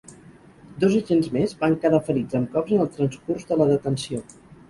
Dos agents més van quedar ferits amb cops en el transcurs de la detenció.